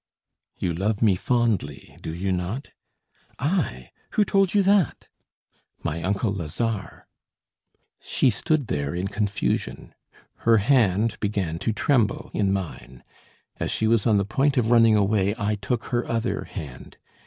"You love me fondly, do you not?" "I! who told you that?" "My uncle Lazare." She stood there in confusion. Her hand began to tremble in mine. As she was on the point of running away, I took her other hand.